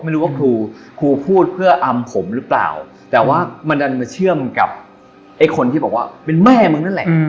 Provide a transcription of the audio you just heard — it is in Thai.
ไม่รู้ว่าครูครูพูดเพื่ออำผมหรือเปล่าแต่ว่ามันดันมาเชื่อมกับไอ้คนที่บอกว่าเป็นแม่มึงนั่นแหละ